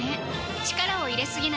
力を入れすぎない